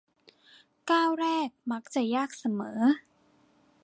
ก้าวแรกมักจะยากเสมอ